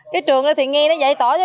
cái trường này thì nghe nó giải tỏa chứ